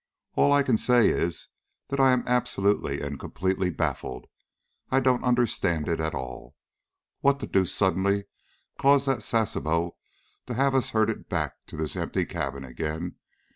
"All I can say is that I am absolutely and completely baffled. I don't understand it at all. What the deuce suddenly caused that Sasebo to have us herded back to this empty cabin again?